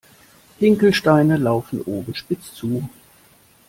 Hinkelsteine laufen oben spitz zu.